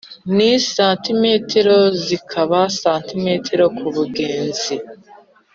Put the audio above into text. ni cm zikaba cm kubugenzi